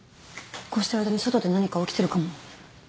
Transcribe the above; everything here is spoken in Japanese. こうしてる間に外で何か起きてるかも。